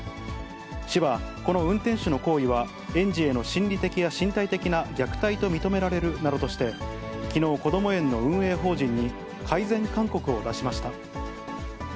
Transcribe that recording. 市は、この運転手の行為は、園児への心理的や身体的な虐待と認められるなどとして、きのう、こども園の運営法人に改善勧告を出しました。